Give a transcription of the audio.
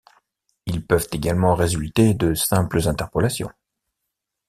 Ils peuvent également résulter de simples interpolations.